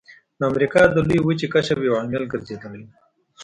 د امریکا د لویې وچې کشف یو عامل ګرځېدلی و.